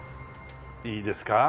いいですか？